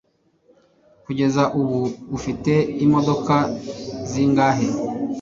kugeza ubu ufite imodoka zingahe